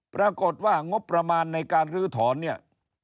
ปรากฏว่างบประมาณในการลื้อถอนเนี่ย